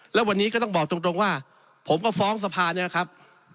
แล้ววันนี้ก็ต้องบอกตรงว่าผมก็ฟ้องสภาเนี่ยนะครับ